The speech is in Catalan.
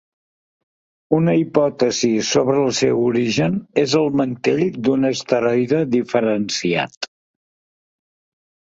Una hipòtesi sobre el seu origen és el mantell d'un asteroide diferenciat.